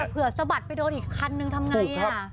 เผื่อสะบัดไปโดดอีกคันนึงทำยังไง